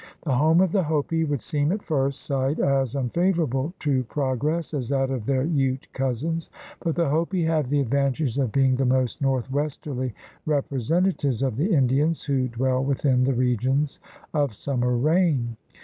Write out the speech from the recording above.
The home of the Hopi would seem at first sight as unfavorable to progress as that of their Ute cousins, but the Hopi have the advantage of being the most northwesterly representatives of the Indians who dwell within the regions of summer rain.